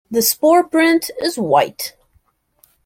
The spore print is white.